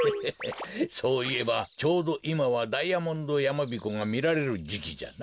そういえばちょうどいまはダイヤモンドやまびこがみられるじきじゃな。